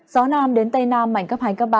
gió nam đến tây nam mạnh cấp hai cấp ba